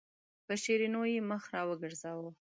پر شیرینو یې مخ راوګرځاوه.